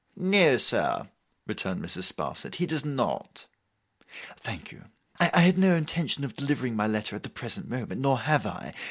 'No, sir,' returned Mrs. Sparsit, 'he does not.' 'Thank you. I had no intention of delivering my letter at the present moment, nor have I.